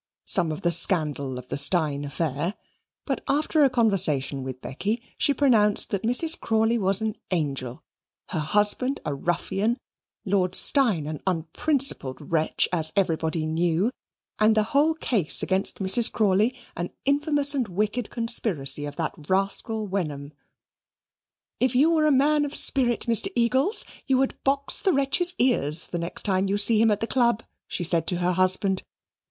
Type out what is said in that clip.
some of the scandal of the Steyne affair; but after a conversation with Becky, she pronounced that Mrs. Crawley was an angel, her husband a ruffian, Lord Steyne an unprincipled wretch, as everybody knew, and the whole case against Mrs. Crawley an infamous and wicked conspiracy of that rascal Wenham. "If you were a man of any spirit, Mr. Eagles, you would box the wretch's ears the next time you see him at the Club," she said to her husband.